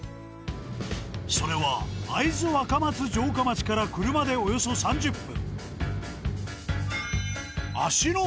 それは会津若松城下町から車でおよそ３０分。